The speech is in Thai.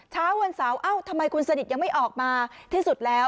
เช้าวันเสาร์เอ้าทำไมคุณสนิทยังไม่ออกมาที่สุดแล้ว